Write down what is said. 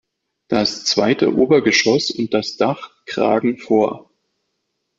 Das zweite Obergeschoss und das Dach kragen vor.